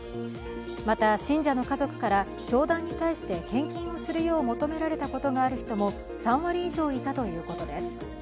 また、信者の家族から教団に対して献金をするよう求められたことがある人も３割以上いたということです。